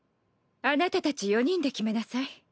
あなたたち４人で決めなさい。